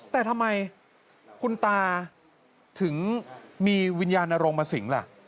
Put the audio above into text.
แต่ทำไมคุณตาถึงมีวิญญาณนรงค์มาสิงล่ะ